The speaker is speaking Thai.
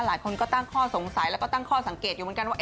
หลายคนก็ตั้งข้อสงสัยแล้วก็ตั้งข้อสังเกตอยู่เหมือนกันว่า